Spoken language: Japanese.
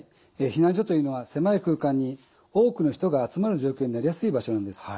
避難所というのは狭い空間に多くの人が集まる状況になりやすい場所なんです。